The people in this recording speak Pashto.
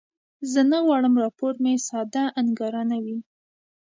زه نه غواړم راپور مې ساده انګارانه وي.